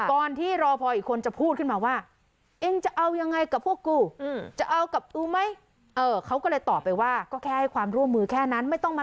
ก่อนที่รอพออีกคนจะพูดขึ้นมาว่า